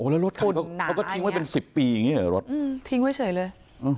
แล้วรถเขาก็ทิ้งไว้เป็น๑๐ปีอย่างนี้เหรอรถทิ้งไว้เฉยเลย